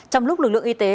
trong lúc lực lượng y tế